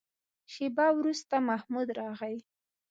شېبه وروسته محمود راغی.